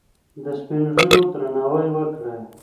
د سپین ږیرو درناوی وکړئ.